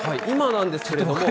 今なんですけども。